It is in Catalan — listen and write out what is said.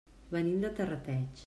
Venim de Terrateig.